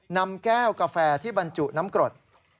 นำแก้วกาแฟที่บรรจุน้ำกรด